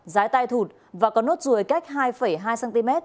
rái tai thụt và có nốt ruồi cách hai hai cm